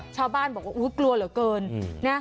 ชาวบ้านบอกว่ากลัวเหลือเกินนะ